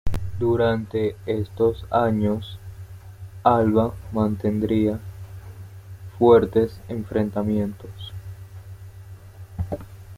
Durante estos años Alba mantendría fuertes enfrentamientos parlamentarios con el líder catalanista Francisco Cambó.